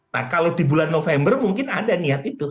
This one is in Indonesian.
nah kalau di bulan november mungkin ada niat itu